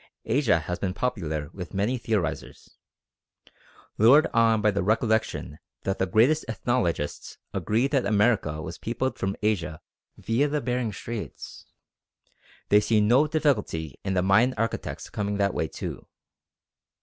Asia has been popular with many theorisers. Lured on by the recollection that the greatest ethnologists agree that America was peopled from Asia via the Behring Straits, they see no difficulty in the Mayan architects coming that way too.